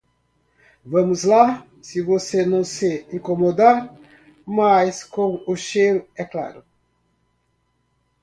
Vamos lá, se você não se incomodar mais com o cheiro, é claro.